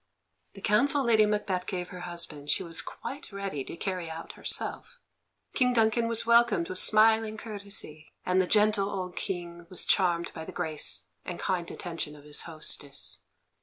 The counsel Lady Macbeth gave her husband she was quite ready to carry out herself. King Duncan was welcomed with smiling courtesy, and the gentle old King was charmed by the grace and kind attention of his hostess.